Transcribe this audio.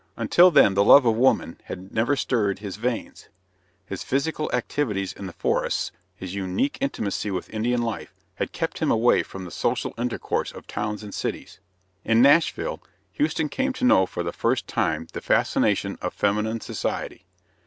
Until then the love of woman had never stirred his veins. His physical activities in the forests, his unique intimacy with Indian life, had kept him away from the social intercourse of towns and cities. In Nashville Houston came to know for the first time the fascination of feminine society.